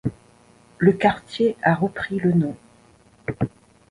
Le quartier a repris le nom.